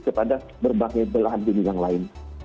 kepada berbagai belahan dunia yang lain